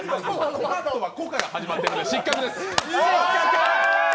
小マットはコから始まってるので失格です。